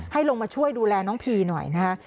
ให้ลงมาช่วยดูแลน้องพีนหน่อยนะครับ